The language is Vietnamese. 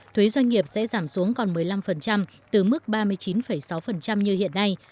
thuế doanh nghiệp sẽ giảm xuống còn một mươi năm từ mức ba mươi chín sáu như hiện nay